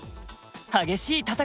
激しい戦いです。